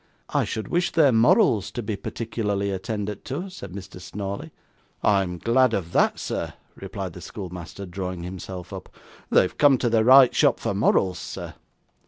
'I should wish their morals to be particularly attended to,' said Mr Snawley. 'I am glad of that, sir,' replied the schoolmaster, drawing himself up. 'They have come to the right shop for morals, sir.